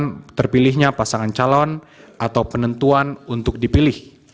dengan terpilihnya pasangan calon atau penentuan untuk dipilih